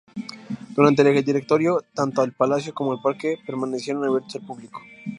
Durante el Directorio, tanto el palacio como el parque permanecieron abiertos al público.